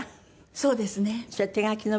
そうですね。